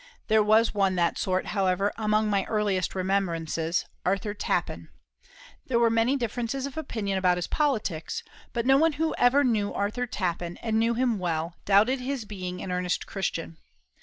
There was one that sort, however, among my earliest remembrances, Arthur Tappen. There were many differences of opinion about his politics, but no one who ever knew Arthur Tappen, and knew him well, doubted his being an earnest Christian.